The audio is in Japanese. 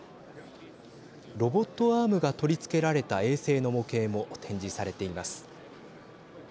ロボットアームが取り付けられた衛星の模型も展示されています。